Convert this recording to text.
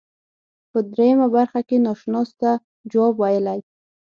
په دریمه برخه کې ناشناس ته جواب ویلی.